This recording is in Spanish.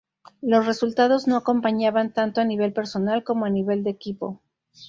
Los resultados no acompañaban tanto a nivel personal como a nivel de equipo.